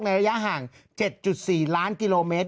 ระยะห่าง๗๔ล้านกิโลเมตร